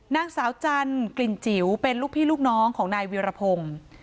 นางสาวจันทร์กลิ่นจิ๋วเป็นลูกพี่ลูกน้องของนายวิรพงศ์